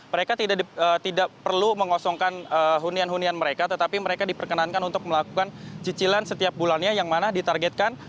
mereka tidak perlu mengosongkan hunian hunian mereka tetapi mereka diperkenankan untuk melakukan cicilan setiap bulannya yang mana ditargetkan